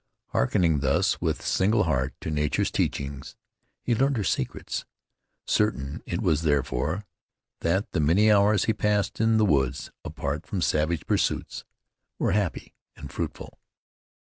Hearkening thus with single heart to nature's teachings, he learned her secrets. Certain it was, therefore, that the many hours he passed in the woods apart from savage pursuits, were happy and fruitful.